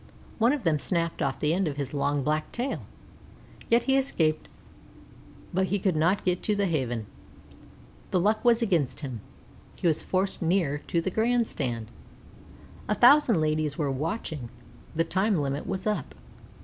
One of them snapped off the end of his long black tail, yet he escaped; but he could not get to the Haven. The luck was against him. He was forced nearer to the Grand Stand. A thousand ladies were watching. The time limit was up.